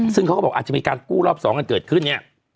ซึ่งเขาก็บอกอาจจะมีการกู้รอบ๒กันเกิดขึ้นเนี่ย